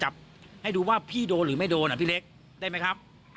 ฟังเฮเล็กตอบค่ะ